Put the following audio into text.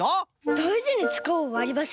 だいじにつかおうわりばしを。